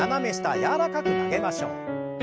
柔らかく曲げましょう。